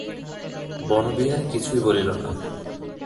বনবিহারী কিছুই বলিল না।